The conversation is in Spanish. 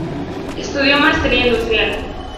Estudió Maestría Industrial.